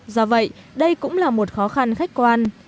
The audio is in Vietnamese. do vậy đây cũng là một khó khăn khách quan